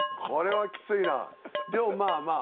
でもまあまあ。